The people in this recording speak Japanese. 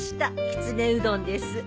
きつねうどんです。